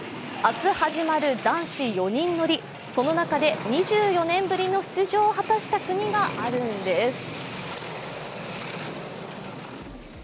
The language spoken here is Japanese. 明日始まる男子４人乗り、その中で２４年ぶりの出場を果たした国があるんです。